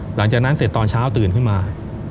หลังจากนั้นเสร็จตอนเช้าตื่นขึ้นมา